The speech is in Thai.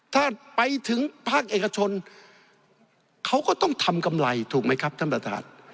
ถ้าไปถึงภาคเอกชนเขาก็ต้องทำกำไรถูกไหมครับท่านประธาน